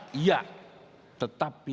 tetapi juga satu sama lain harus beragama